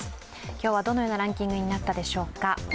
今日はどのようなランキングになったでしょうか。